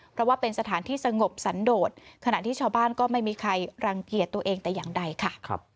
เพราะว่าเป็นสถานที่สงบสันโดดขณะที่ชาวบ้านก็ไม่มีใครรังเกียจตัวเองแต่อย่างใดค่ะ